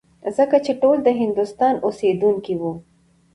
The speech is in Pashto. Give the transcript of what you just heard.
ځکه چې ټول د هندوستان اوسېدونکي وو.